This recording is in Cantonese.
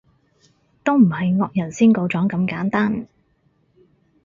都唔係惡人先告狀咁簡單